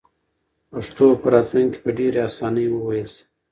پښتو به په راتلونکي کې په ډېرې اسانۍ وویل شي.